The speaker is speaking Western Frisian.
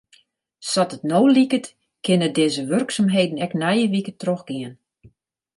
Sa't it no liket kinne dizze wurksumheden ek nije wike trochgean.